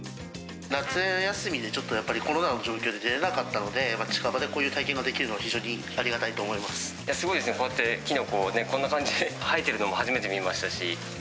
夏休みにちょっとコロナの状況で出れなかったので、近場でこういう体験ができるのは非常にあすごいですね、こうやってキノコ、こんな感じで生えてるの初めて見ましたし。